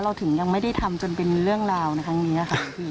ถึงยังไม่ได้ทำจนเป็นเรื่องราวในครั้งนี้ค่ะพี่